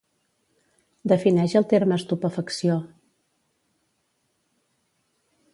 Defineix el terme estupefacció.